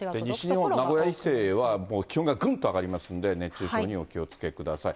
西日本、名古屋以西は気温がぐんと上がりますんで、熱中症にお気をつけください。